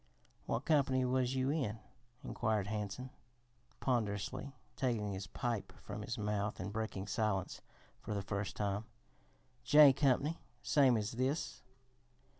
"What company was you in?" inquired Hansen, ponderously taking his pipe from his mouth and breaking silence for the first time. "J Company, same as this."